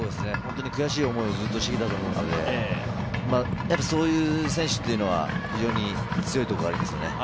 本当に悔しい思いをずっとしてきたと思うのでそういう選手は非常に強いところがありますよね。